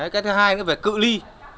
cái thứ hai là về cự ly